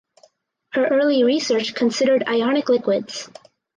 Her early research considered ionic liquids.